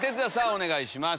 お願いします。